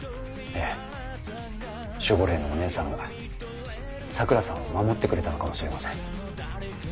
ええ守護霊のお姉さんがさくらさんを守ってくれたのかもしれません。